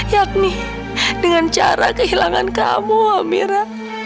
yakni dengan cara kehilangan kamu mira